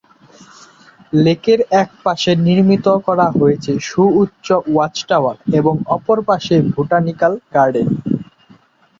লেকের এক পাশে নির্মিত করা হয়েছে সুউচ্চ ওয়াচ টাওয়ার এবং অপর পাশে বোটানিক্যাল গার্ডেন।